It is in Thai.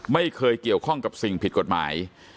ไม่เคยเกี่ยวข้องกับสิ่งผิดกฎหมาย